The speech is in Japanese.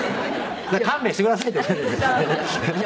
「“勘弁してください”って」